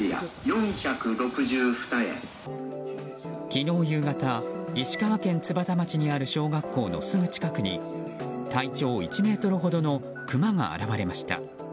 昨日夕方石川県津幡町にある小学校のすぐ近くに体長１ｍほどのクマが現れました。